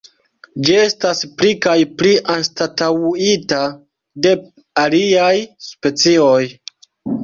Ĝi estas pli kaj pli anstataŭita de aliaj specioj.